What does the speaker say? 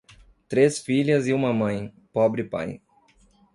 Três filhas e uma mãe, pobre pai.